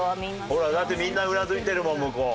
ほらだってみんなうなずいてるもん向こう。